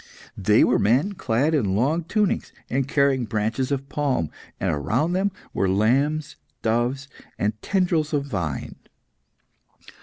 They were men clad in long tunics and carrying branches of palm, and around them were lambs, doves, and tendrils of vine.